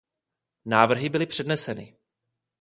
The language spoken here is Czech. Návrhy byly předneseny.